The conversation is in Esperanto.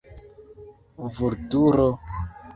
Vulturo!